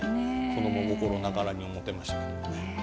子ども心ながらに思ってましたけど。